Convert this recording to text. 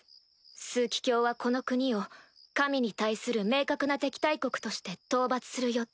枢機卿はこの国を「神に対する明確な敵対国として討伐する予定」。